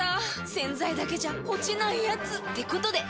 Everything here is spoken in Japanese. ⁉洗剤だけじゃ落ちないヤツってことで。